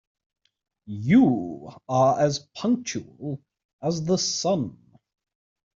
You are as punctual as the sun.